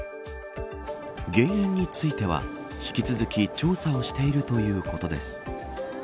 原因については、引き続き調査をしているということです。